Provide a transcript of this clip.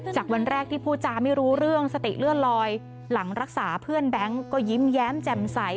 วันแรกที่พูดจาไม่รู้เรื่องสติเลื่อนลอยหลังรักษาเพื่อนแบงค์ก็ยิ้มแย้มแจ่มใส